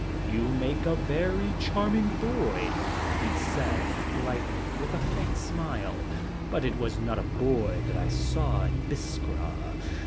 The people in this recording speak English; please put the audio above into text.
"You make a very charming boy," he said lightly, with a faint smile, "but it was not a boy that I saw in Biskra.